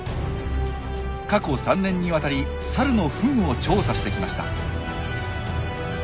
過去３年にわたりサルのフンを調査してきました。